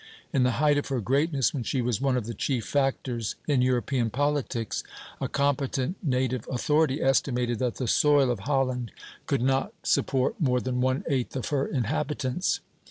In the height of her greatness, when she was one of the chief factors in European politics, a competent native authority estimated that the soil of Holland could not support more than one eighth of her inhabitants.